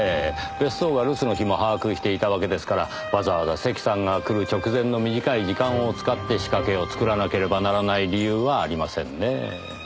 別荘が留守の日も把握していたわけですからわざわざ関さんが来る直前の短い時間を使って仕掛けを作らなければならない理由はありませんねえ。